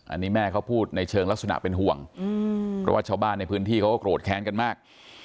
อันนี้แม่เขาพูดในเชิงลักษณะเป็นห่วงเพราะว่าชาวบ้านในพื้นที่เขาก็โกรธแค้นกันมาก